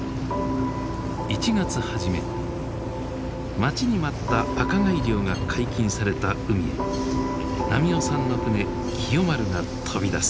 待ちに待った赤貝漁が解禁された海へ波男さんの船喜代丸が飛び出す。